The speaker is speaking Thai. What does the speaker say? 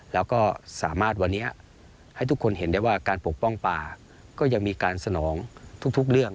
แล้วก็สามารถวันนี้ให้ทุกคนเห็นได้ว่าการปกป้องป่าก็ยังมีการสนองทุกเรื่อง